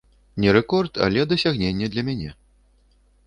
Не рэкорд, але дасягненне для мяне.